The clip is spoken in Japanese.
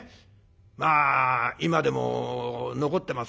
まあ今でも残ってますね。